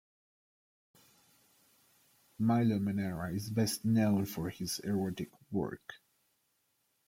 Milo Manara is best known for his erotic work.